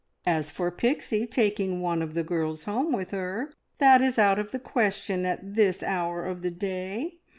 As for Pixie taking one of the girls home with her, that is out of the question at this hour of the day.